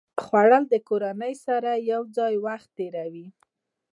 خوړل د کورنۍ سره یو ځای وخت تېروي